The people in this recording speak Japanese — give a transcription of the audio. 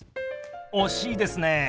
惜しいですね。